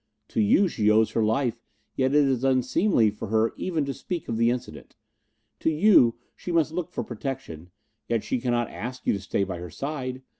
To you she owes her life, yet it is unseemly for her even to speak of the incident; to you she must look for protection, yet she cannot ask you to stay by her side.